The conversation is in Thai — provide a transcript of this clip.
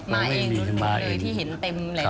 มาเองที่เห็นเต็มหลายสนาม